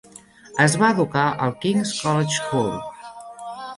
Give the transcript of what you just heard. Es va educar al King's College School.